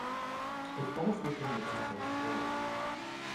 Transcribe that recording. It falls within the Cathays ward.